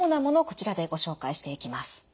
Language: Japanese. こちらでご紹介していきます。